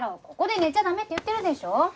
ここで寝ちゃ駄目って言ってるでしょ。